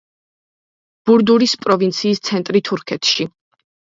ბურდურის პროვინციის ცენტრი თურქეთში.